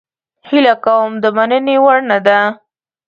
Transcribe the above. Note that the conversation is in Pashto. هیله کوم د مننې وړ نه ده.